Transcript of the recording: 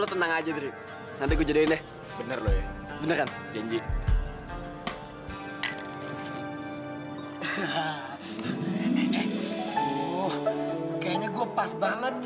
untukkan nah bagus banget